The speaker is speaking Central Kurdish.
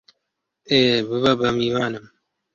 ئێ، ببە بە میوانم!